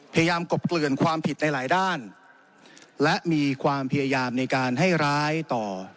กบเกลื่อนความผิดในหลายด้านและมีความพยายามในการให้ร้ายต่อ